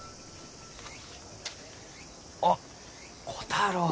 あっ虎太郎。